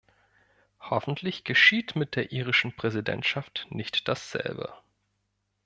Hoffentlich geschieht mit der irischen Präsidentschaft nicht dasselbe.